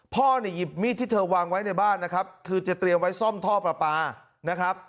พ่อเนี่ยหยิบมีดที่เธอวางไว้ในบ้านนะครับคือจะเตรียมไว้ซ่อมท่อประปานะครับ